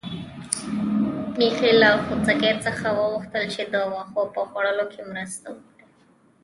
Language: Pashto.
میښې له خوسکي څخه وغوښتل چې د واښو په خوړلو کې مرسته وکړي.